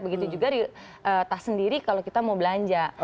begitu juga tas sendiri kalau kita mau belanja